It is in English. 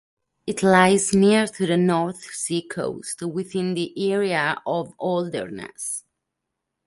It lies near to the North Sea coast within the area of Holderness.